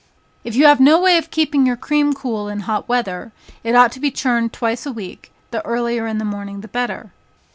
If you have no way of keeping your cream cool in hot weather, it ought to be churned twice a week, the earlier in the morning the better.